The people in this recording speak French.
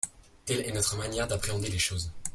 Telle est notre manière d’appréhender les choses.